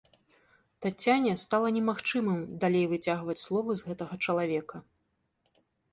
Таццяне стала немагчымым далей выцягваць словы з гэтага чалавека.